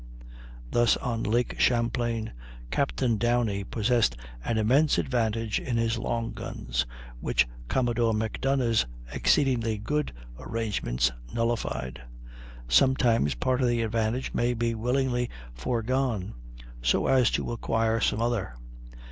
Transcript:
Thus on Lake Champlain Captain Downie possessed an immense advantage in his long guns, which Commodore Macdonough's exceedingly good arrangements nullified. Sometimes part of the advantage may be willingly foregone, so as to acquire some other.